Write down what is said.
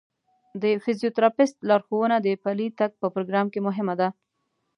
د فزیوتراپیست لارښوونه د پلي تګ په پروګرام کې مهمه ده.